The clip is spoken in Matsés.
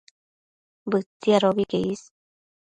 Bëtsiadobi que is